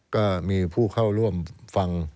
ก็มีผู้เข้าร่วมฟัง